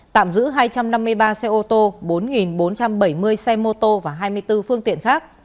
tạm giữ hai trăm năm mươi ba xe ô tô bốn bốn trăm bảy mươi xe mô tô và hai mươi bốn phương tiện khác